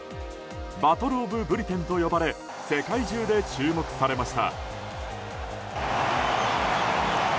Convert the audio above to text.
バトル・オブ・ブリテンと呼ばれ世界中で注目されました。